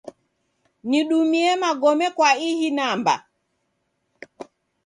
Nidumie magome kwa ihi namba.